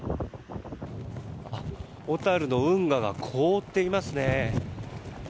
小樽の運河が凍っていますね。